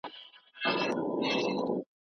د زکات فريضه پر شتمنو لازمه ده.